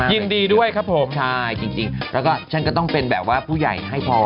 ยินดีด้วยครับผมใช่จริงแล้วก็ฉันก็ต้องเป็นแบบว่าผู้ใหญ่ให้พร